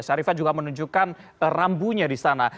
syarifah juga menunjukkan rambunya di sana